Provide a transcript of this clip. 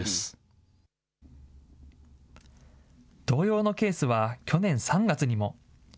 同様のケースは去年３月にも。